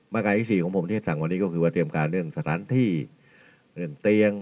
การที่๔ของผมที่จะสั่งวันนี้ก็คือว่าเตรียมการเรื่องสถานที่เรื่องเตียง